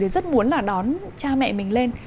thì rất muốn là đón cha mẹ mình lên